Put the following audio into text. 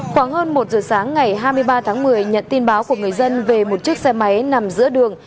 khoảng hơn một giờ sáng ngày hai mươi ba tháng một mươi nhận tin báo của người dân về một chiếc xe máy nằm giữa đường